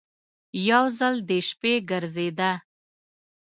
یو ځل د شپې ګرځېده.